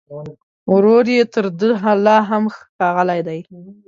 ورور يې تر ده لا هم ښاغلی دی